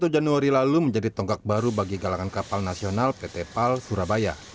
satu januari lalu menjadi tonggak baru bagi galangan kapal nasional pt pal surabaya